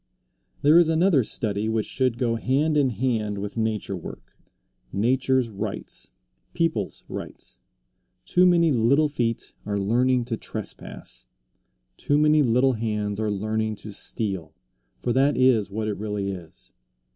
There is another study which should go hand in hand with nature work nature's rights, people's rights. Too many little feet are learning to trespass; too many little hands are learning to steal, for that is what it really is.